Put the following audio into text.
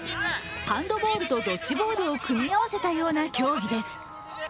ハンドボールとドッチボールを組み合わせたような競技です。